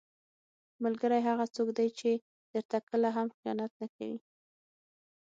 ملګری هغه څوک دی چې درته کله هم خیانت نه کوي.